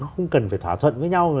không cần phải thỏa thuận với nhau